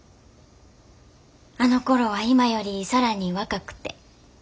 あのころは今より更に若くて。